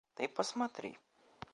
Ты посмотри.